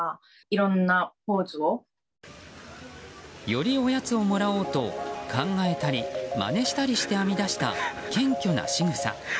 より、おやつをもらおうと考えたりまねしたりして編み出した謙虚なしぐさ。